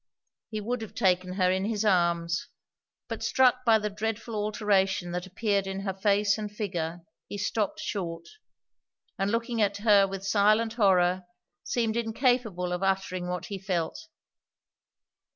He would have taken her in his arms; but struck by the dreadful alteration that appeared in her face and figure, he stopt short, and looking at her with silent horror, seemed incapable of uttering what he felt.